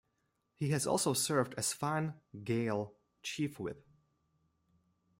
He has also served as Fine Gael Chief Whip.